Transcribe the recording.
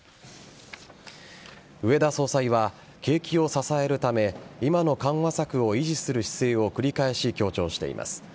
植田総裁は景気を支えるため今の緩和策を維持する姿勢を繰り返し強調しています。